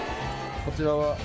こちらは？